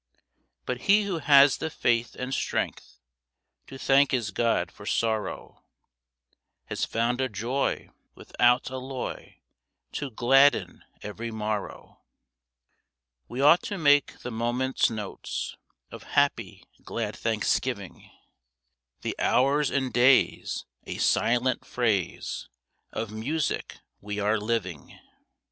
But he who has the faith and strength To thank his God for sorrow Has found a joy without alloy To gladden every morrow. We ought to make the moments notes Of happy, glad Thanksgiving; The hours and days a silent phrase Of music we are living.